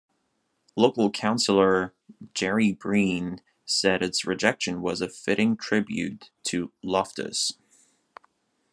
Local councillor Gerry Breen said its rejection was a "fitting tribute" to Loftus.